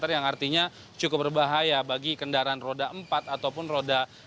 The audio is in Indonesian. yang artinya cukup berbahaya bagi kendaraan roda empat ataupun roda dua